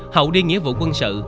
hậu đi nghĩa vụ quân sự